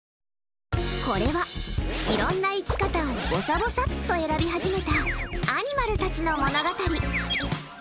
これは、いろんな生き方をぼさぼさっと選び始めたアニマルたちの物語。